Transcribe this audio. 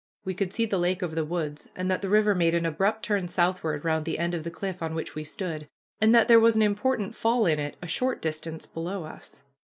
We could see the lake over the woods, and that the river made an abrupt turn southward around the end of the cliff on which we stood, and that there was an important fall in it a short distance below us.